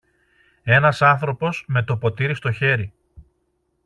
Ένας άνθρωπος, με το ποτήρι στο χέρι